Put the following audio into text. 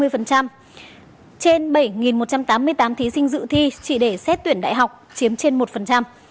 trên bảy một trăm tám mươi tám thí sinh dự thi chỉ để xét tuyển đại học chiếm trên một